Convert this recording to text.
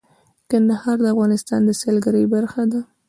کندهار د افغانستان د سیلګرۍ برخه ده.